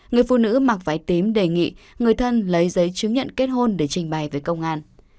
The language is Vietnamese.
người phụ nữ mặc váy tím đề nghị người thân lấy giấy chứng nhận kết hôn để trình bày với công an